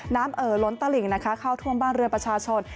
น้ำเอ๋อล้นตะหลิงเข้าท่วมบ้านเรือประชาชน